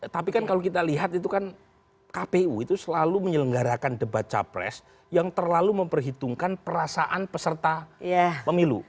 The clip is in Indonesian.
tapi kan kalau kita lihat itu kan kpu itu selalu menyelenggarakan debat capres yang terlalu memperhitungkan perasaan peserta pemilu